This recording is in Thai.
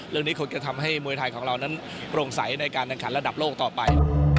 เรื่องนี้คงจะทำให้มวยไทยของเรานั้นโปร่งใสในการแข่งขันระดับโลกต่อไป